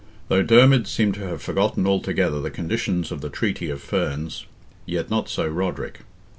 Though Dermid seemed to have forgotten altogether the conditions of the treaty of Ferns, yet not so Roderick.